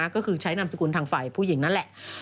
ก็คือใช้นามสกุลทางฝ่ายผู้หญิงนั่นแหละ